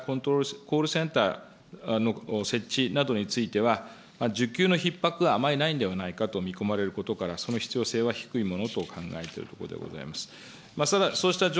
そうしたことも含めて今後は集団接種会場の運営やコールセンターの設置などについては、需給のひっ迫はあまりないんではないかと見込まれることから、その必要性は低いものと考えているところでございます。